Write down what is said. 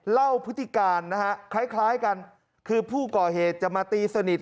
พฤติการนะฮะคล้ายกันคือผู้ก่อเหตุจะมาตีสนิท